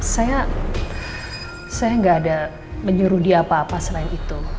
saya nggak ada menyuruh dia apa apa selain itu